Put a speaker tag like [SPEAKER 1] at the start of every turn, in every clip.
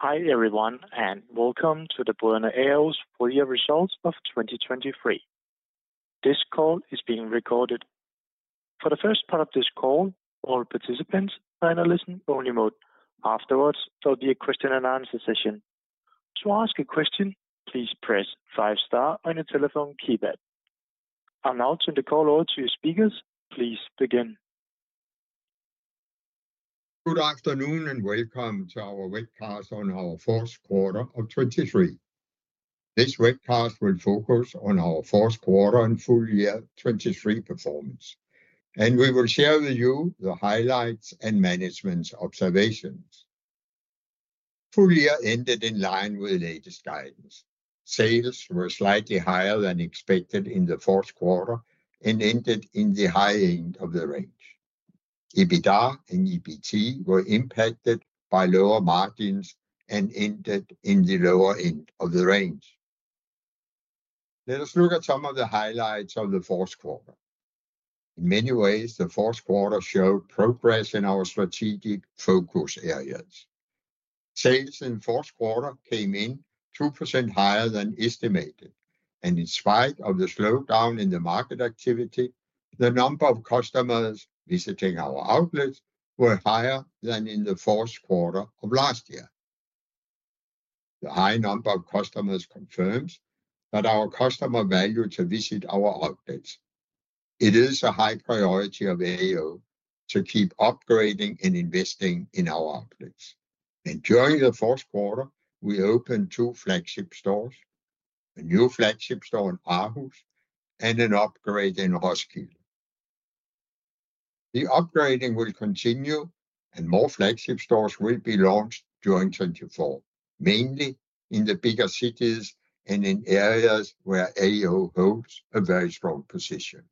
[SPEAKER 1] Hi everyone and welcome to the Brødrene A & O Johansen's Full Year Results of 2023. This call is being recorded. For the first part of this call, all participants are in a listen-only mode. Afterwards there'll be a question-and-answer session. To ask a question, please press five star on your telephone keypad. I'll now turn the call over to your speakers. Please begin.
[SPEAKER 2] Good afternoon and welcome to our webcast on our fourth quarter of 2023. This webcast will focus on our fourth quarter and full year 2023 performance, and we will share with you the highlights and management observations. Full year ended in line with latest guidance. Sales were slightly higher than expected in the fourth quarter and ended in the high end of the range. EBITDA and EBIT were impacted by lower margins and ended in the lower end of the range. Let us look at some of the highlights of the fourth quarter. In many ways, the fourth quarter showed progress in our strategic focus areas. Sales in the fourth quarter came in 2% higher than estimated, and in spite of the slowdown in the market activity, the number of customers visiting our outlets were higher than in the fourth quarter of last year. The high number of customers confirms that our customers value to visit our outlets. It is a high priority of A & O to keep upgrading and investing in our outlets. During the fourth quarter, we opened two flagship stores: a new flagship store in Aarhus and an upgrade in Roskilde. The upgrading will continue, and more flagship stores will be launched during 2024, mainly in the bigger cities and in areas where A & O holds a very strong position.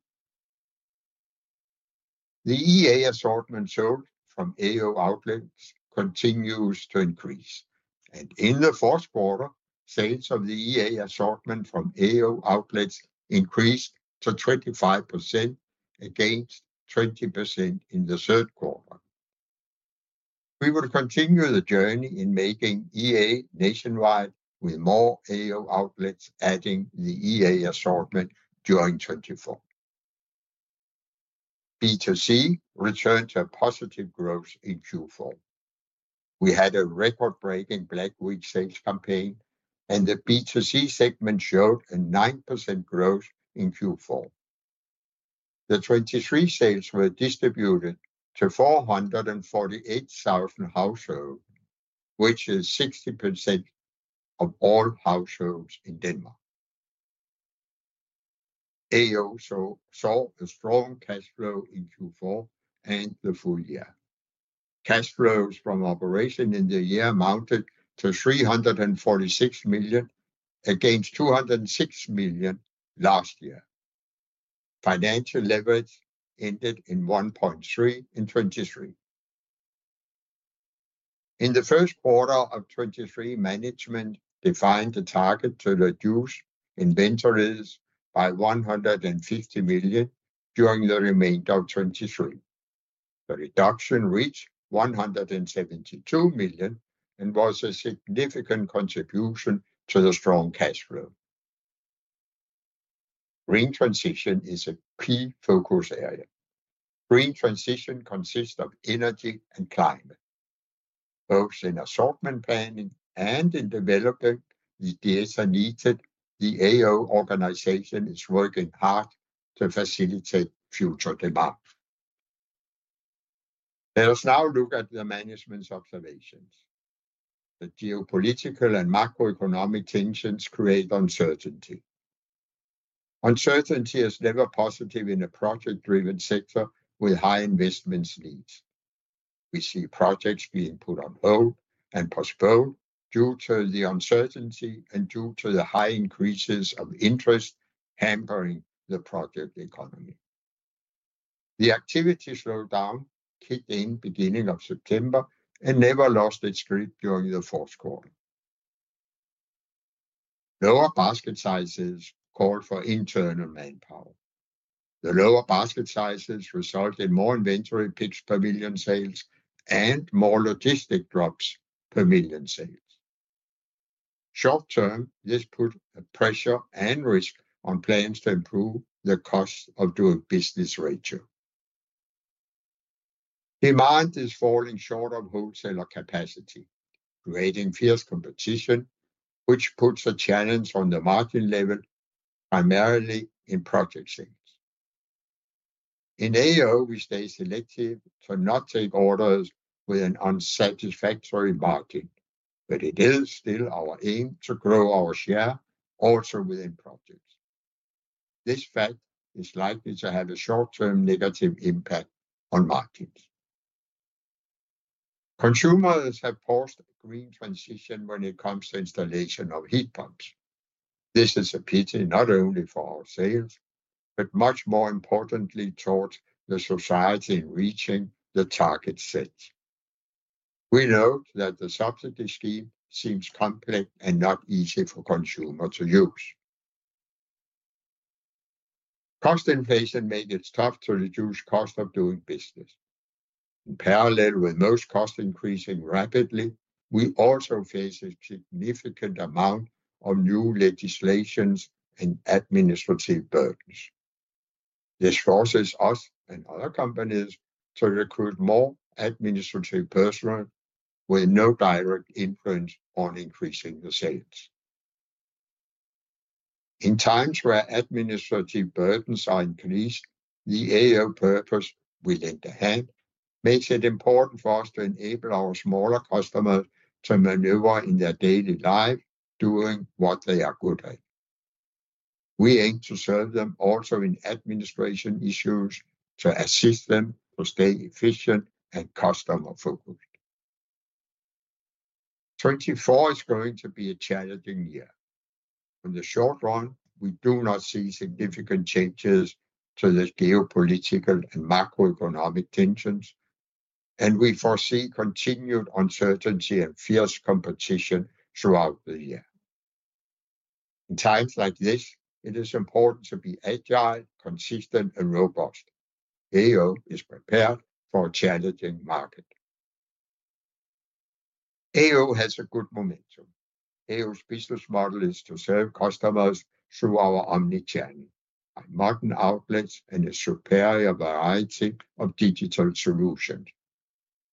[SPEAKER 2] The EA assortment sold from A & O outlets continues to increase, and in the fourth quarter, sales of the EA assortment from A & O outlets increased to 25% against 20% in the third quarter. We will continue the journey in making EA nationwide, with more A & O outlets adding the EA assortment during 2024. B2C returned to a positive growth in Q4. We had a record-breaking Black Week sales campaign, and the B2C segment showed a 9% growth in Q4. The 2023 sales were distributed to 448,000 households, which is 60% of all households in Denmark. A & O saw a strong cash flow in Q4 and the full year. Cash flows from operation in the year mounted to 346 million against 206 million last year. Financial leverage ended in 1.3 in 2023. In the first quarter of 2023, management defined a target to reduce inventories by 150 million during the remainder of 2023. The reduction reached 172 million and was a significant contribution to the strong cash flow. Green transition is a key focus area. Green transition consists of energy and climate. Both in assortment planning and in developing the data needed, the A & O organization is working hard to facilitate future demand. Let us now look at the management's observations. The geopolitical and macroeconomic tensions create uncertainty. Uncertainty is never positive in a project-driven sector with high investment needs. We see projects being put on hold and postponed due to the uncertainty and due to the high increases of interest hampering the project economy. The activity slowdown kicked in beginning of September and never lost its grip during the fourth quarter. Lower basket sizes called for internal manpower. The lower basket sizes result in more inventory picked per million sales and more logistics drops per million sales. Short-term, this puts pressure and risk on plans to improve the cost of doing business ratio. Demand is falling short of wholesaler capacity, creating fierce competition, which puts a challenge on the margin level, primarily in project sales. In A & O, we stay selective to not take orders with an unsatisfactory margin, but it is still our aim to grow our share, also within projects. This fact is likely to have a short-term negative impact on margins. Consumers have paused green transition when it comes to installation of heat pumps. This is a pity not only for our sales, but much more importantly towards the society in reaching the target set. We note that the subsidy scheme seems complex and not easy for consumers to use. Cost inflation makes it tough to reduce the cost of doing business. In parallel with most costs increasing rapidly, we also face a significant amount of new legislation and administrative burdens. This forces us and other companies to recruit more administrative personnel with no direct influence on increasing the sales. In times where administrative burdens are increased, the A & O purpose, we lend a hand, makes it important for us to enable our smaller customers to maneuver in their daily life doing what they are good at. We aim to serve them also in administration issues, to assist them to stay efficient and customer-focused. 2024 is going to be a challenging year. In the short run, we do not see significant changes to the geopolitical and macroeconomic tensions, and we foresee continued uncertainty and fierce competition throughout the year. In times like this, it is important to be agile, consistent, and robust. A & O is prepared for a challenging market. A & O has a good momentum. A & O's business model is to serve customers through our omnichannel, by modern outlets, and a superior variety of digital solutions.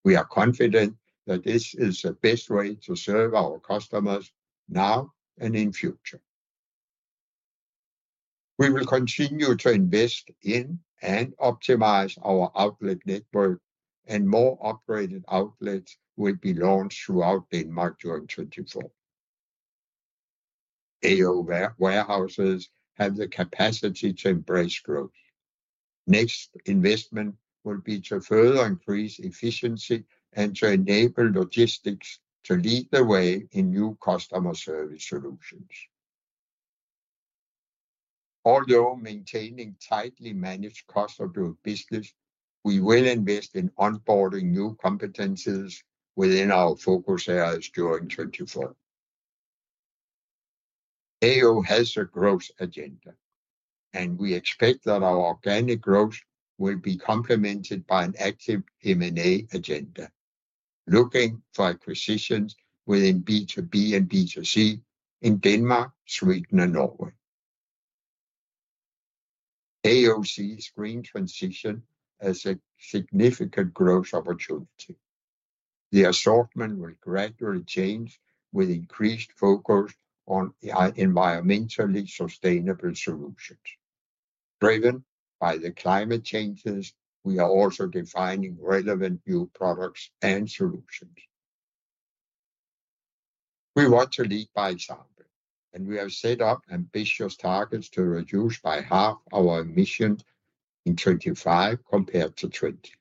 [SPEAKER 2] We are confident that this is the best way to serve our customers now and in future. We will continue to invest in and optimize our outlet network, and more upgraded outlets will be launched throughout Denmark during 2024. A & O warehouses have the capacity to embrace growth. Next investment will be to further increase efficiency and to enable logistics to lead the way in new customer service solutions. Although maintaining tightly managed costs of doing business, we will invest in onboarding new competencies within our focus areas during 2024. A & O has a growth agenda, and we expect that our organic growth will be complemented by an active M&A agenda, looking for acquisitions within B2B and B2C in Denmark, Sweden, and Norway. A & O sees green transition as a significant growth opportunity. The assortment will gradually change with increased focus on environmentally sustainable solutions. Driven by the climate changes, we are also defining relevant new products and solutions. We want to lead by example, and we have set up ambitious targets to reduce by half our emissions in 2025 compared to 2020.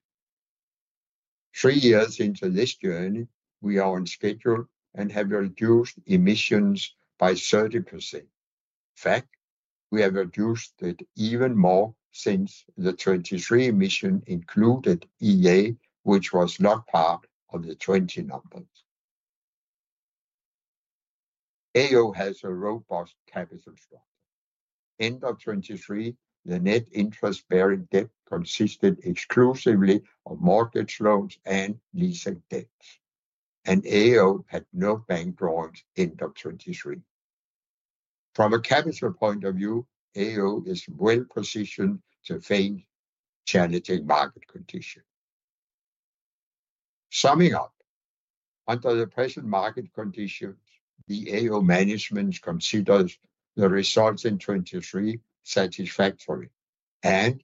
[SPEAKER 2] Three years into this journey, we are on schedule and have reduced emissions by 30%. In fact, we have reduced it even more since the 2023 emission included EA, which was not part of the 2020 numbers. A & O has a robust capital structure. End of 2023, the net interest-bearing debt consisted exclusively of mortgage loans and leasing debts, and A & O had no bank drawings end of 2023. From a capital point of view, A & O is well positioned to face challenging market conditions. Summing up: Under the present market conditions, the A & O management considers the results in 2023 satisfactory, and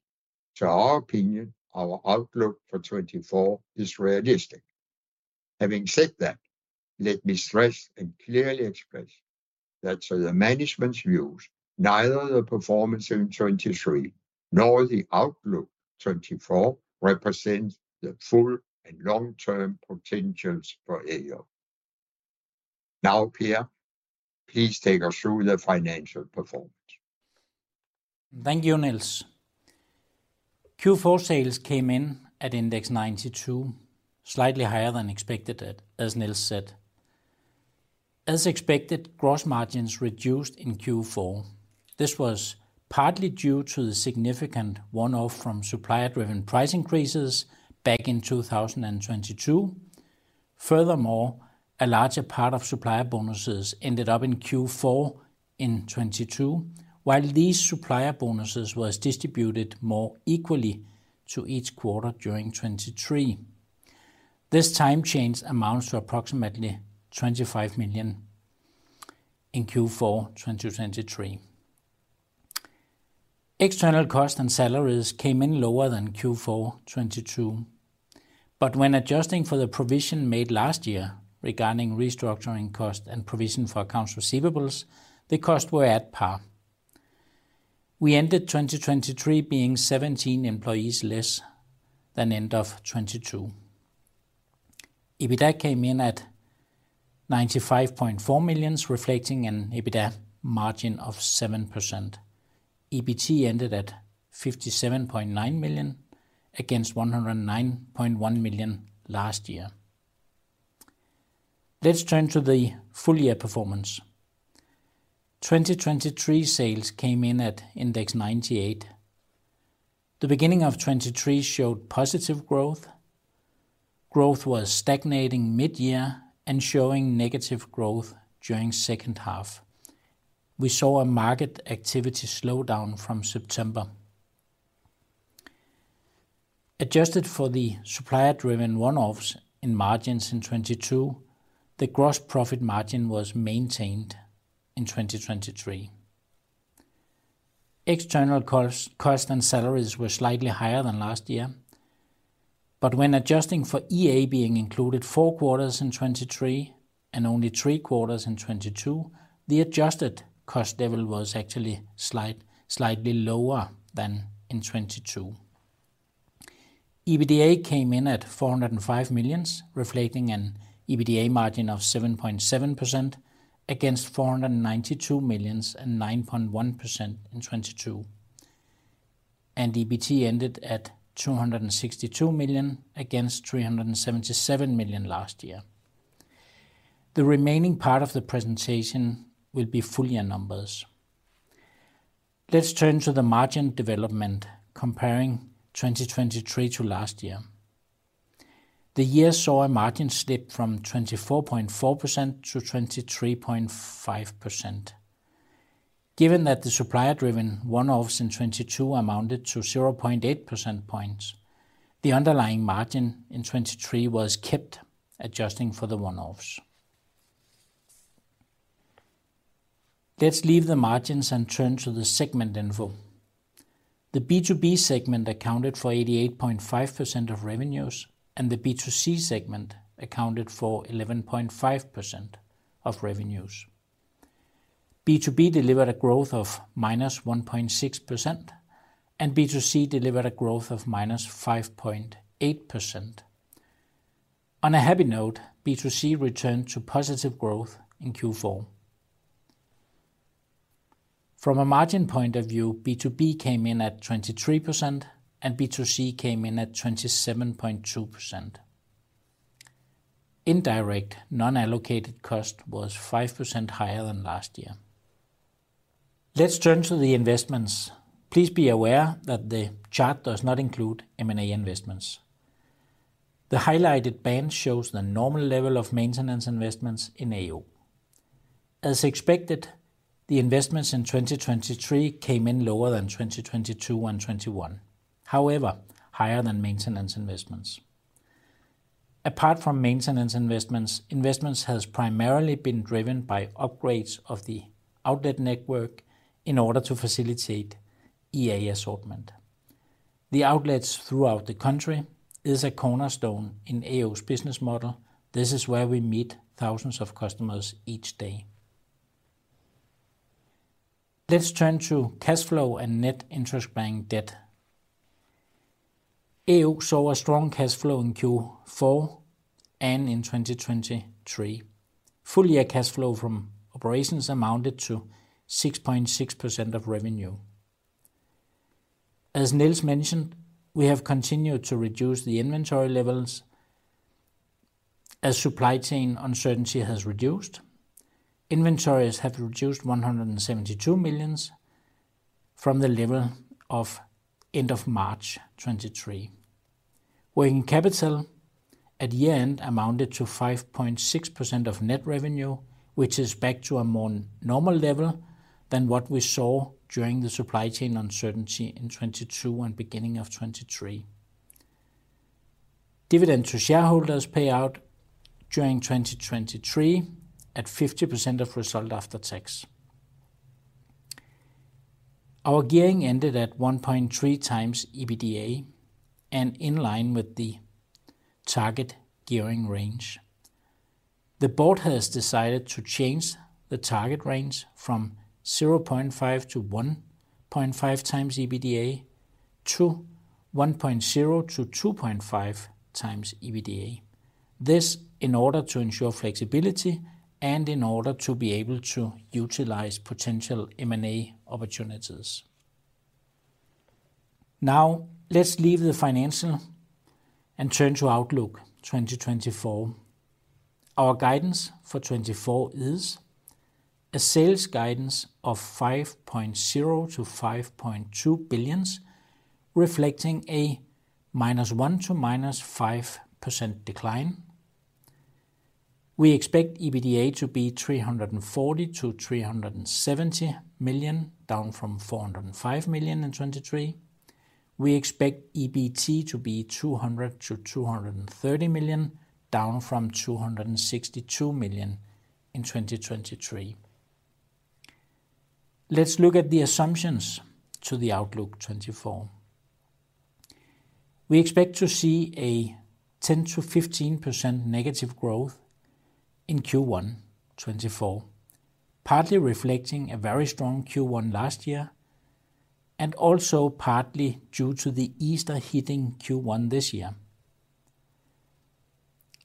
[SPEAKER 2] to our opinion, our outlook for 2024 is realistic. Having said that, let me stress and clearly express that, to the management's views, neither the performance in 2023 nor the outlook 2024 represent the full and long-term potentials for A & O. Now, Per, please take us through the financial performance.
[SPEAKER 3] Thank you, Niels. Q4 sales came in at Index 92, slightly higher than expected, as Niels said. As expected, gross margins reduced in Q4. This was partly due to the significant one-off from supplier-driven price increases back in 2022. Furthermore, a larger part of supplier bonuses ended up in Q4 in 2022, while these supplier bonuses were distributed more equally to each quarter during 2023. This time change amounts to approximately 25 million in Q4 2023. External costs and salaries came in lower than Q4 2022, but when adjusting for the provision made last year regarding restructuring costs and provision for accounts receivables, the costs were at par. We ended 2023 being 17 employees less than end of 2022. EBITDA came in at 95.4 million, reflecting an EBITDA margin of 7%. EBIT ended at 57.9 million against 109.1 million last year. Let's turn to the full year performance. 2023 sales came in at Index 98. The beginning of 2023 showed positive growth. Growth was stagnating mid-year and showing negative growth during the second half. We saw a market activity slowdown from September. Adjusted for the supplier-driven one-offs in margins in 2022, the gross profit margin was maintained in 2023. External costs and salaries were slightly higher than last year, but when adjusting for EA being included four quarters in 2023 and only three quarters in 2022, the adjusted cost level was actually slightly lower than in 2022. EBITDA came in at 405 million, reflecting an EBITDA margin of 7.7% against 492 million and 9.1% in 2022. EBIT ended at 262 million against 377 million last year. The remaining part of the presentation will be full year numbers. Let's turn to the margin development, comparing 2023 to last year. The year saw a margin slip from 24.4% to 23.5%. Given that the supplier-driven one-offs in 2022 amounted to 0.8 percent points, the underlying margin in 2023 was kept, adjusting for the one-offs. Let's leave the margins and turn to the segment info. The B2B segment accounted for 88.5% of revenues, and the B2C segment accounted for 11.5% of revenues. B2B delivered a growth of -1.6%, and B2C delivered a growth of -5.8%. On a happy note, B2C returned to positive growth in Q4. From a margin point of view, B2B came in at 23%, and B2C came in at 27.2%. Indirect non-allocated cost was 5% higher than last year. Let's turn to the investments. Please be aware that the chart does not include M&A investments. The highlighted band shows the normal level of maintenance investments in A & O. As expected, the investments in 2023 came in lower than 2022 and 2021, however higher than maintenance investments. Apart from maintenance investments, investments have primarily been driven by upgrades of the outlet network in order to facilitate EA assortment. The outlets throughout the country are a cornerstone in A & O's business model. This is where we meet thousands of customers each day. Let's turn to cash flow and net interest-bearing debt. A & O saw a strong cash flow in Q4 and in 2023. Full year cash flow from operations amounted to 6.6% of revenue. As Niels mentioned, we have continued to reduce the inventory levels as supply chain uncertainty has reduced. Inventories have reduced 172 million from the level of end of March 2023. Working capital at year-end amounted to 5.6% of net revenue, which is back to a more normal level than what we saw during the supply chain uncertainty in 2022 and beginning of 2023. Dividend to shareholders payout during 2023 at 50% of result after tax. Our gearing ended at 1.3x EBITDA and in line with the target gearing range. The board has decided to change the target range from 0.5x-1.5x EBITDA to 1.0x-2.5x EBITDA. This is in order to ensure flexibility and in order to be able to utilize potential M&A opportunities. Now, let's leave the financial and turn to Outlook 2024. Our guidance for 2024 is: A sales guidance of 5.0 billion-5.2 billion, reflecting a -1% to -5% decline. We expect EBITDA to be 340 million-370 million, down from 405 million in 2023. We expect EBIT to be 200 million-230 million, down from 262 million in 2023. Let's look at the assumptions to the Outlook 2024. We expect to see a 10%-15% negative growth in Q1 2024, partly reflecting a very strong Q1 last year and also partly due to the Easter hitting Q1 this year.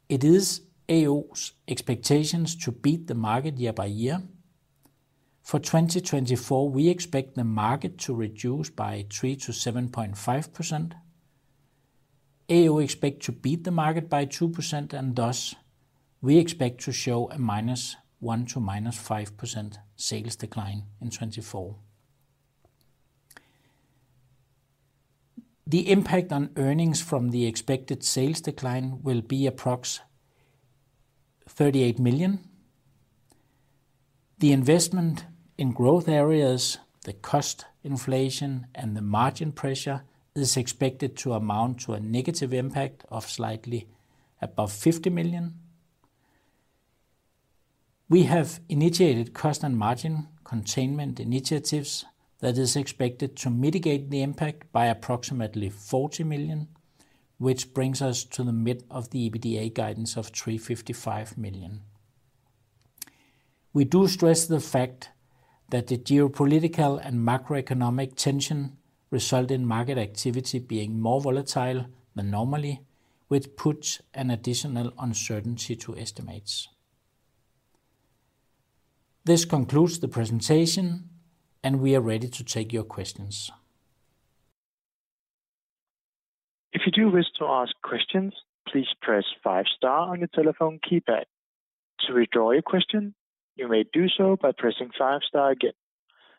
[SPEAKER 3] It is A & O's expectations to beat the market year by year. For 2024, we expect the market to reduce by 3%-7.5%. A & O expect to beat the market by 2%, and thus we expect to show a -1% to -5% sales decline in 2024. The impact on earnings from the expected sales decline will be approximately DKK 38 million. The investment in growth areas, the cost inflation, and the margin pressure is expected to amount to a negative impact of slightly above 50 million. We have initiated cost and margin containment initiatives that are expected to mitigate the impact by approximately 40 million, which brings us to the mid of the EBITDA guidance of 355 million. We do stress the fact that the geopolitical and macroeconomic tension result in market activity being more volatile than normally, which puts an additional uncertainty to estimates. This concludes the presentation, and we are ready to take your questions.
[SPEAKER 1] If you do wish to ask questions, please press five-star on your telephone keypad. To withdraw your question, you may do so by pressing five-star again.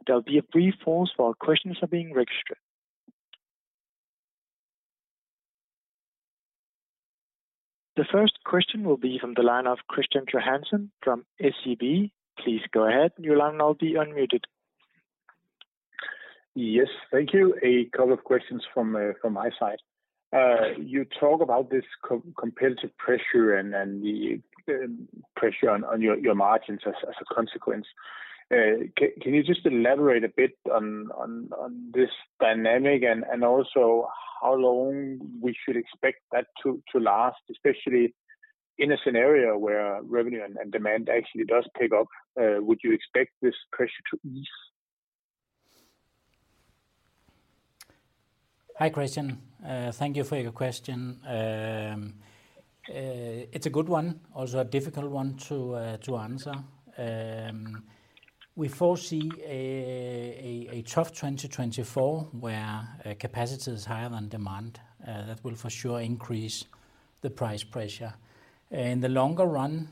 [SPEAKER 1] There will be a brief pause while questions are being registered. The first question will be from the line of Kristian Johansen from SEB. Please go ahead, and your line will be unmuted.
[SPEAKER 4] Yes, thank you. A couple of questions from my side. You talk about this competitive pressure and the pressure on your margins as a consequence. Can you just elaborate a bit on this dynamic and also how long we should expect that to last, especially in a scenario where revenue and demand actually does pick up? Would you expect this pressure to ease?
[SPEAKER 3] Hi, Kristian. Thank you for your question. It's a good one, also a difficult one to answer. We foresee a tough 2024 where capacity is higher than demand. That will for sure increase the price pressure. In the longer run,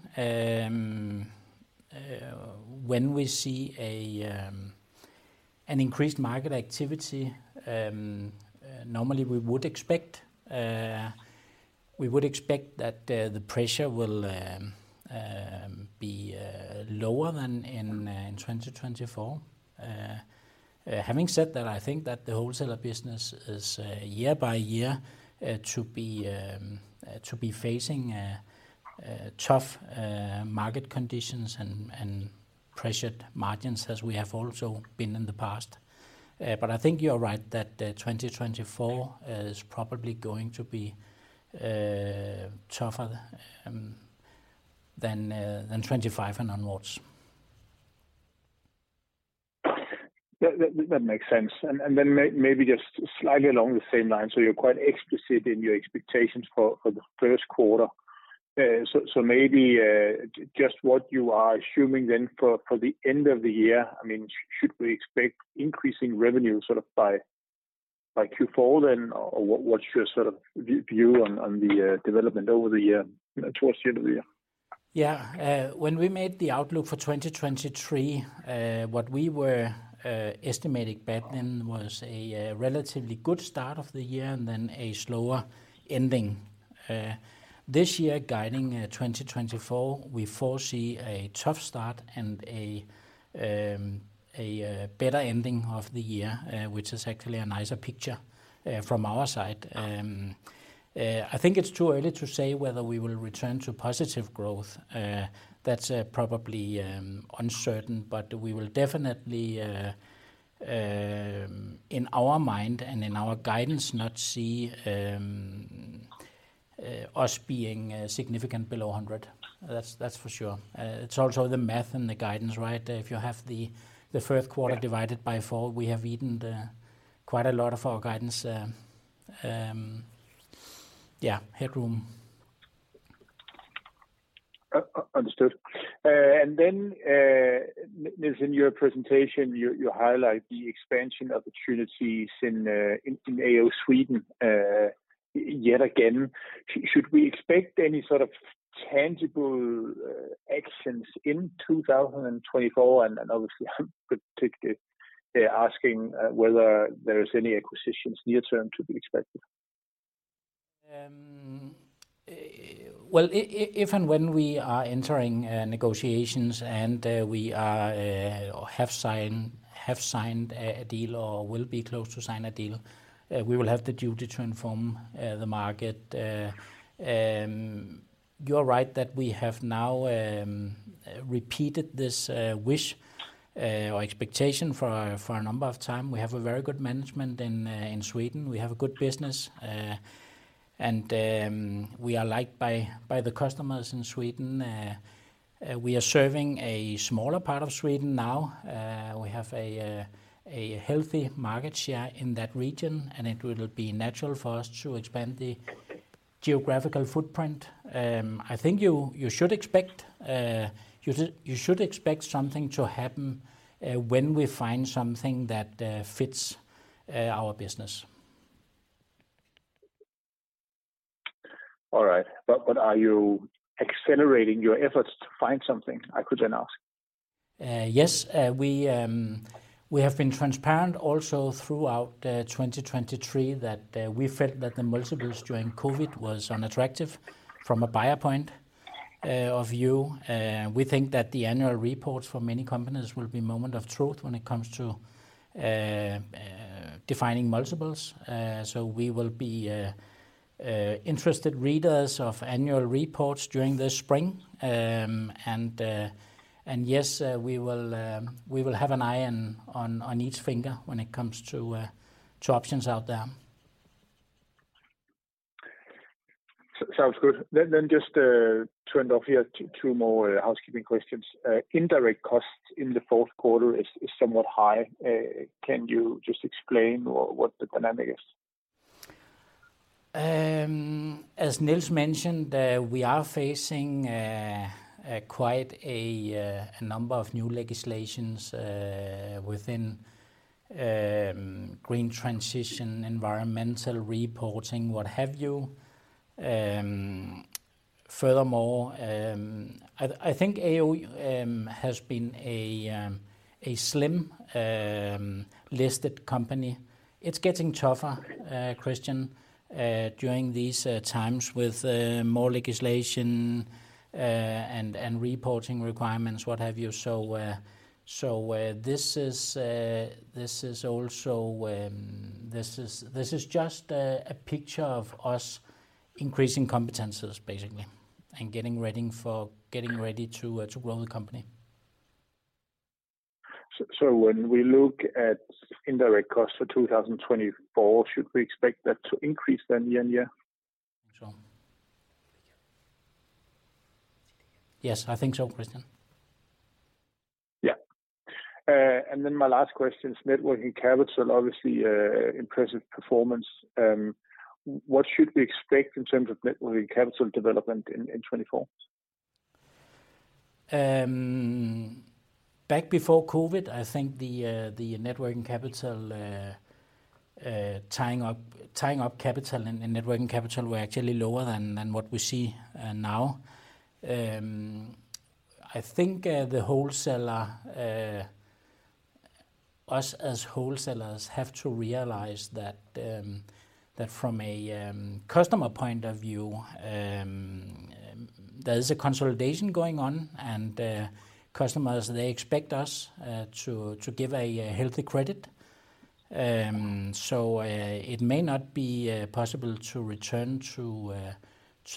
[SPEAKER 3] when we see an increased market activity, normally we would expect that the pressure will be lower than in 2024. Having said that, I think that the wholesaler business is year by year to be facing tough market conditions and pressured margins, as we have also been in the past. But I think you are right that 2024 is probably going to be tougher than 2025 and onwards.
[SPEAKER 4] That makes sense. And then maybe just slightly along the same line, so you're quite explicit in your expectations for the first quarter. So maybe just what you are assuming then for the end of the year, I mean, should we expect increasing revenue sort of by Q4 then? Or what's your sort of view on the development over the year, towards the end of the year?
[SPEAKER 3] Yeah. When we made the Outlook for 2023, what we were estimating back then was a relatively good start of the year and then a slower ending. This year, guiding 2024, we foresee a tough start and a better ending of the year, which is actually a nicer picture from our side. I think it's too early to say whether we will return to positive growth. That's probably uncertain, but we will definitely, in our mind and in our guidance, not see us being significant below 100. That's for sure. It's also the math and the guidance, right? If you have the first quarter divided by four, we have eaten quite a lot of our guidance headroom.
[SPEAKER 4] Understood. And then, Niels, in your presentation, you highlight the expansion opportunities in AO Sweden yet again. Should we expect any sort of tangible actions in 2024? And obviously, I'm particularly asking whether there are any acquisitions near-term to be expected.
[SPEAKER 3] Well, if and when we are entering negotiations and we have signed a deal or will be close to signing a deal, we will have the duty to inform the market. You are right that we have now repeated this wish or expectation for a number of times. We have a very good management in Sweden. We have a good business, and we are liked by the customers in Sweden. We are serving a smaller part of Sweden now. We have a healthy market share in that region, and it will be natural for us to expand the geographical footprint. I think you should expect something to happen when we find something that fits our business.
[SPEAKER 4] All right. But are you accelerating your efforts to find something? I could then ask.
[SPEAKER 3] Yes. We have been transparent also throughout 2023 that we felt that the multiples during COVID were unattractive from a buyer point of view. We think that the annual reports for many companies will be a moment of truth when it comes to defining multiples. So we will be interested readers of annual reports during this spring. And yes, we will have an eye on each finger when it comes to options out there.
[SPEAKER 4] Sounds good. Just to end off here, two more housekeeping questions. Indirect costs in the fourth quarter are somewhat high. Can you just explain what the dynamic is?
[SPEAKER 3] As Niels mentioned, we are facing quite a number of new legislations within green transition, environmental reporting, what have you. Furthermore, I think A & O has been a slim-listed company. It's getting tougher, Kristian, during these times with more legislation and reporting requirements, what have you. So this is also just a picture of us increasing competencies, basically, and getting ready to grow the company.
[SPEAKER 4] When we look at indirect costs for 2024, should we expect that to increase then year-on-year?
[SPEAKER 3] I think so. Yes, I think so, Kristian.
[SPEAKER 4] Yeah. And then my last question is working capital, obviously impressive performance. What should we expect in terms of working capital development in 2024?
[SPEAKER 3] Back before COVID, I think the net working capital tying up capital and net working capital were actually lower than what we see now. I think the wholesaler, us as wholesalers, have to realize that from a customer point of view, there is a consolidation going on, and customers, they expect us to give a healthy credit. So it may not be possible to return to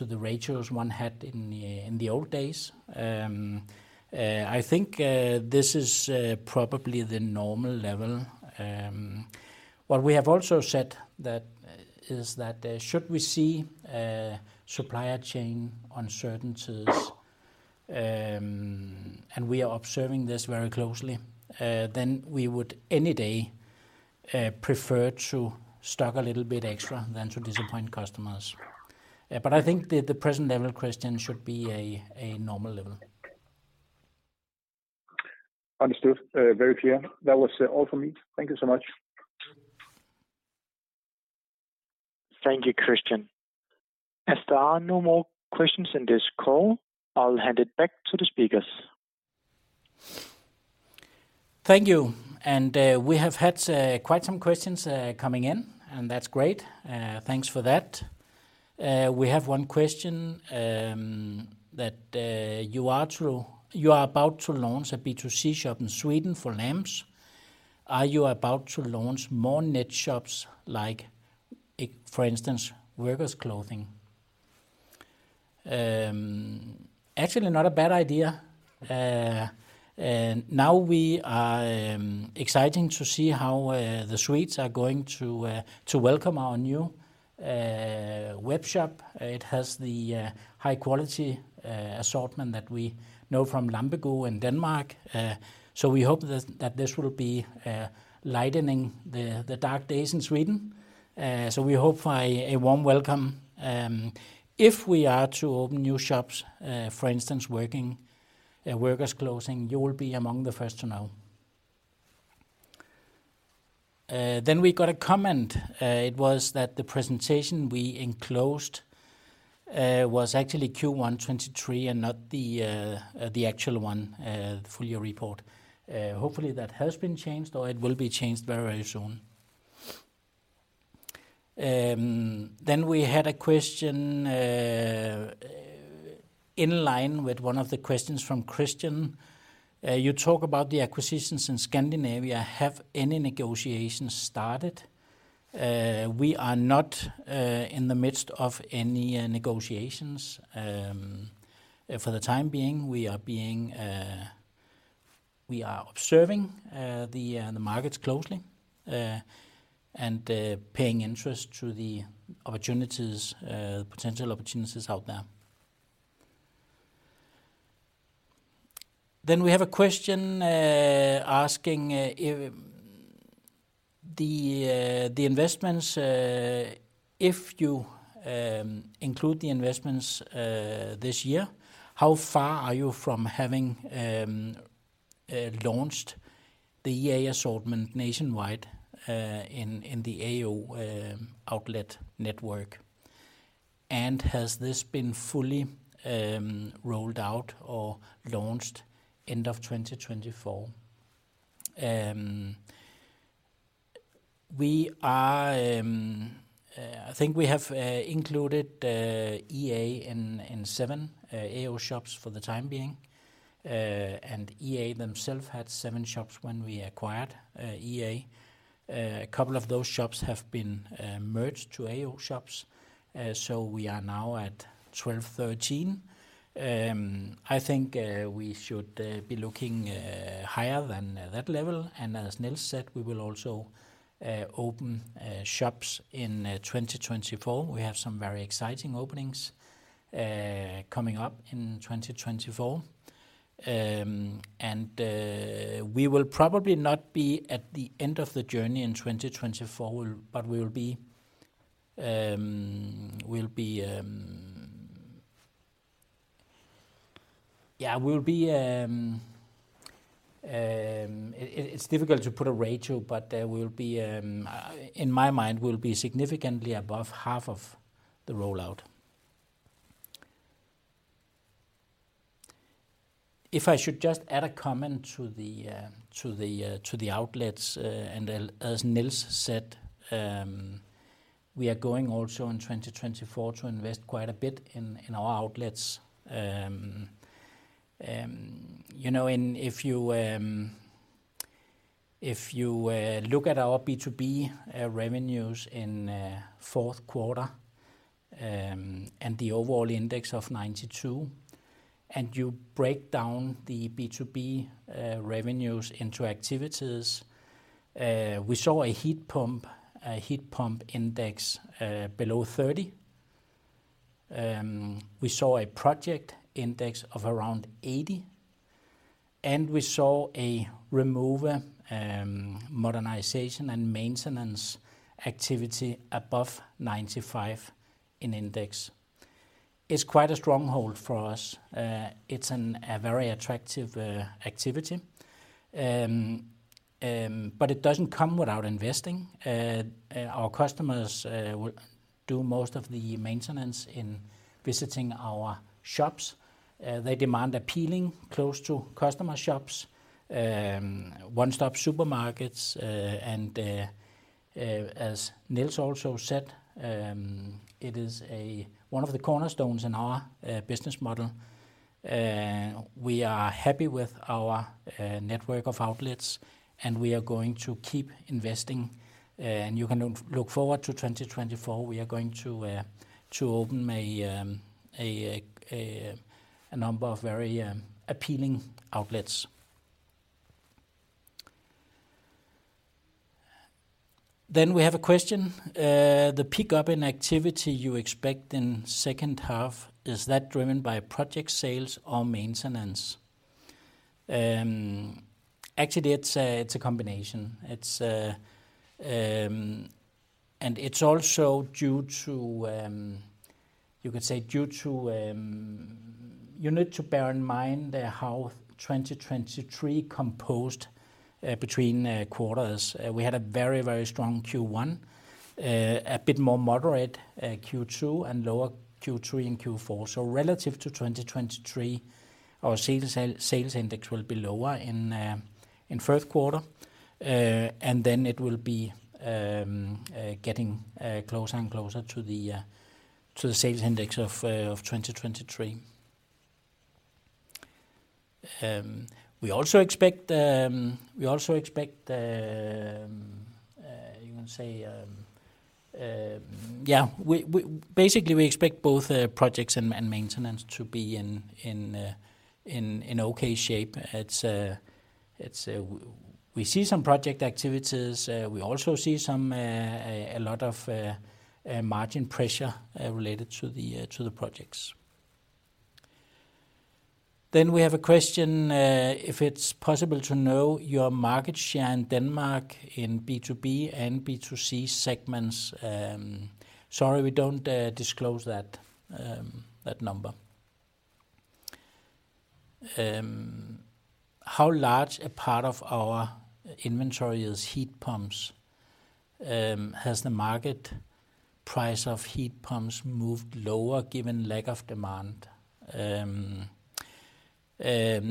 [SPEAKER 3] the ratios one had in the old days. I think this is probably the normal level. What we have also said is that should we see supply chain uncertainties, and we are observing this very closely, then we would any day prefer to stock a little bit extra than to disappoint customers. But I think the present level, Kristian, should be a normal level.
[SPEAKER 4] Understood. Very clear. That was all from me. Thank you so much.
[SPEAKER 1] Thank you, Kristian. As there are no more questions in this call, I'll hand it back to the speakers.
[SPEAKER 3] Thank you. We have had quite some questions coming in, and that's great. Thanks for that. We have one question that you are about to launch a B2C shop in Sweden for LampeGuru. Are you about to launch more net shops like, for instance, Workers' Clothing? Actually, not a bad idea. Now we are excited to see how the Swedes are going to welcome our new webshop. It has the high-quality assortment that we know from LampeGuru in Denmark. So we hope that this will be lightening the dark days in Sweden. So we hope for a warm welcome. If we are to open new shops, for instance, Workers' Clothing, you will be among the first to know. Then we got a comment. It was that the presentation we enclosed was actually Q1 2023 and not the actual one, the full year report. Hopefully, that has been changed, or it will be changed very, very soon. Then we had a question in line with one of the questions from Kristian. You talk about the acquisitions in Scandinavia. Have any negotiations started? We are not in the midst of any negotiations for the time being. We are observing the markets closely and paying attention to the opportunities, the potential opportunities out there. Then we have a question asking the investments, if you include the investments this year, how far are you from having launched the EA assortment nationwide in the A & O outlet network? And has this been fully rolled out or launched end of 2024? I think we have included EA in seven A & O shops for the time being. And EA themselves had seven shops when we acquired EA. A couple of those shops have been merged to A & O shops. We are now at 1,213. I think we should be looking higher than that level. As Niels said, we will also open shops in 2024. We have some very exciting openings coming up in 2024. We will probably not be at the end of the journey in 2024, but we will be yeah, it's difficult to put a ratio, but in my mind, we'll be significantly above half of the rollout. If I should just add a comment to the outlets, and as Niels said, we are going also in 2024 to invest quite a bit in our outlets. If you look at our B2B revenues in fourth quarter and the overall index of 92, and you break down the B2B revenues into activities, we saw a heat pump index below 30. We saw a project index of around 80. We saw a removal, modernization, and maintenance activity above 95 in index. It's quite a stronghold for us. It's a very attractive activity. It doesn't come without investing. Our customers do most of the maintenance in visiting our shops. They demand appealing, close-to-customer shops, one-stop supermarkets. And as Niels also said, it is one of the cornerstones in our business model. We are happy with our network of outlets, and we are going to keep investing. You can look forward to 2024. We are going to open a number of very appealing outlets. We have a question. The pickup in activity you expect in the second half, is that driven by project sales or maintenance? Actually, it's a combination. It's also due to—you could say—due to you need to bear in mind how 2023 composed between quarters. We had a very, very strong Q1, a bit more moderate Q2, and lower Q3 and Q4. So relative to 2023, our sales index will be lower in third quarter. And then it will be getting closer and closer to the sales index of 2023. We also expect—you can say, yeah, basically—we expect both projects and maintenance to be in okay shape. We see some project activities. We also see a lot of margin pressure related to the projects. Then we have a question. If it's possible to know your market share in Denmark in B2B and B2C segments? Sorry, we don't disclose that number. How large a part of our inventory is heat pumps? Has the market price of heat pumps moved lower given lack of demand? Less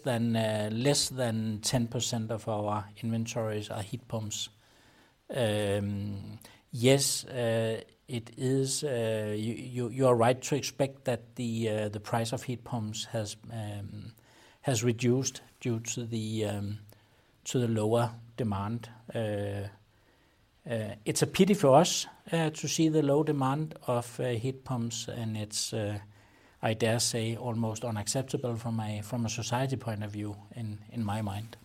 [SPEAKER 3] than 10% of our inventories are heat pumps. Yes, it is. You are right to expect that the price of heat pumps has reduced due to the lower demand. It's a pity for us to see the low demand of heat pumps, and it's, I dare say, almost unacceptable from a society point of view in my mind.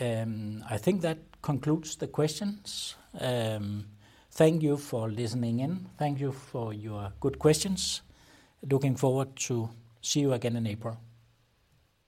[SPEAKER 3] I think that concludes the questions. Thank you for listening in. Thank you for your good questions. Looking forward to seeing you again in April.